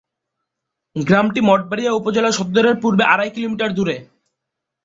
গ্রামটি মঠবাড়িয়া উপজেলা সদরের পূর্বে আড়াই কিলোমিটার দূরে।